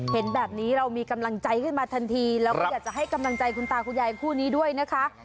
เห็นแบบนี้เรามีกำลังใจขึ้นมาทันทีแล้วก็อยากจะให้กำลังใจคุณตาคุณยายคู่นี้ด้วยนะคะ